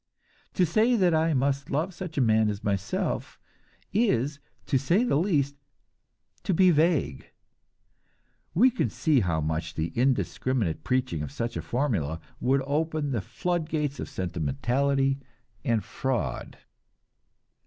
To say that I must love such a man as myself is, to say the least, to be vague. We can see how the indiscriminate preaching of such a formula would open the flood gates of sentimentality and fraud.